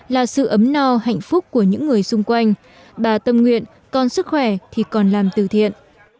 là sự ấm no hạnh phúc của những người xung quanh bà tâm nguyện còn sức khỏe thì còn làm từ thiện